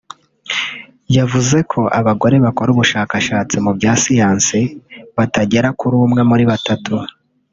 yavuze ko abagore bakora ubushakashatsi mu bya Siyansi batagera kuri umwe muri batatu